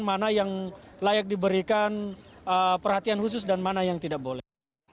mana yang layak diberikan perhatian khusus dan mana yang tidak boleh